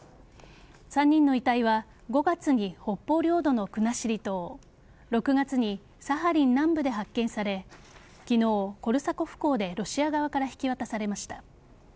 ３人の遺体は５月に北方領土の国後島６月にサハリン南部で発見され昨日、コルサコフ港でロシア側から引き渡されました。